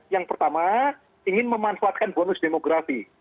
yang pertama ingin memanfaatkan bonus demografi